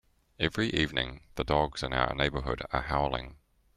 Every evening, the dogs in our neighbourhood are howling.